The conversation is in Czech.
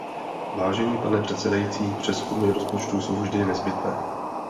Vážený pane předsedající, přezkumy rozpočtů jsou vždycky nezbytné.